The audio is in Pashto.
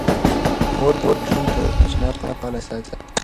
مور د ماشوم د تشناب پاکوالی ساتي.